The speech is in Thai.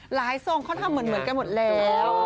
ทรงเขาทำเหมือนกันหมดแล้ว